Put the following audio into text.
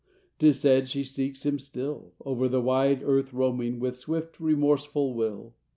’Tis said she seeks Him still, Over the wide earth roaming With swift, remorseful will.